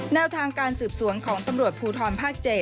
แนวทางการสืบสวนของตำรวจภูทรภาค๗